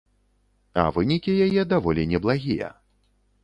А вынікі яе даволі неблагія.